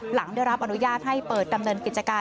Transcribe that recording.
หลังได้รับอนุญาตให้เปิดดำเนินกิจการ